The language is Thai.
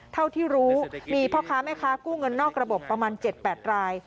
เท่าที่รู้มีพ่อค้าแม่ค้ากู้เงินนอกระบบประมาณ๗๘ราย